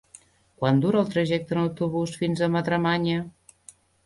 Quant dura el trajecte en autobús fins a Madremanya?